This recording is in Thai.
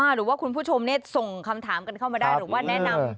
หรือว่าคุณผู้ชมส่งคำถามกันเข้ามาได้หรือว่าแนะนำ